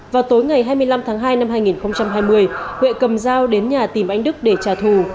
vào tối ngày hai mươi năm tháng hai năm hai nghìn hai mươi huệ cầm dao đến nhà tìm anh đức để trả thù